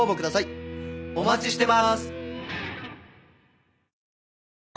お待ちしてます。